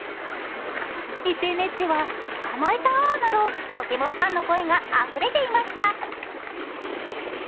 ＳＮＳでは捕まえた！など「ポケモン」ファンの声があふれていました。